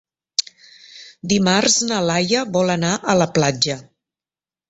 Dimarts na Laia vol anar a la platja.